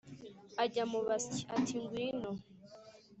ajya mu basyi, ati ngwino